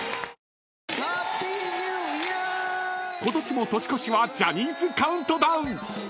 ［今年も年越しはジャニーズカウントダウン］